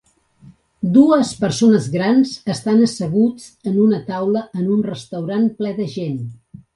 Dues persones grans estan asseguts en una taula en un restaurant ple de gent